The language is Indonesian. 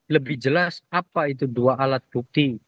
lebih jelas apa itu dua alat bukti